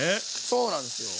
そうなんですよ。